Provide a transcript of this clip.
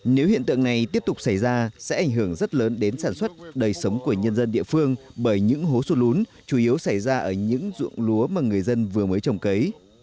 nếu hiện tượng này tiếp tục xảy ra sẽ ảnh hưởng rất lớn đến sản xuất đời sống của nhân dân địa phương bởi những hố sụt lún chủ yếu xảy ra ở những ruộng lúa mà người dân vừa mới trồng cấy